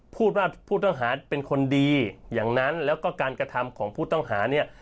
พูดว่าผู้ต้องหาเป็นคนดีอย่างนั้นแล้วก็การกระทำของผู้ต้องหาเนี่ย